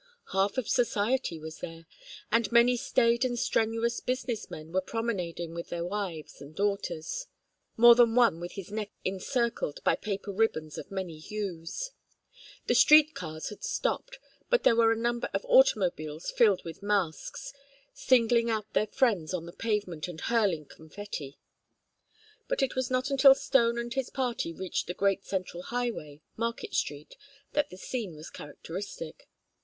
Half of society was there; and many staid and strenuous business men were promenading with their wives and daughters, more than one with his neck encircled by paper ribbons of many hues. The street cars had stopped, but there were a number of automobiles filled with masques, singling out their friends on the pavement and hurling confetti. But it was not until Stone and his party reached the great central highway, Market Street, that the scene was characteristic.